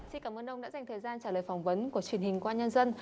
xin cảm ơn ông đã dành thời gian trả lời phỏng vấn của truyền hình công an nhân dân